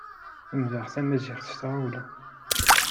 Lemdeɣ tamaziɣt s tɣawla.